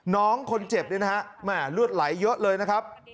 น้องคนเจ็บนี่นะฮะแม่เลือดไหลเยอะเลยนะครับ